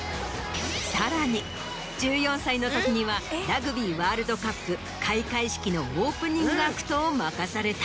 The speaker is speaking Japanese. さらに１４歳の時にはラグビーワールドカップ開会式のオープニングアクトを任された。